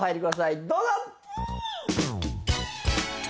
どうぞ！